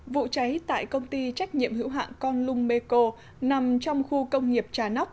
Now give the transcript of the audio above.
vụ cháy tại công ty trách nhiệm hữu hạng con lung meko nằm trong khu công nghiệp trà nóc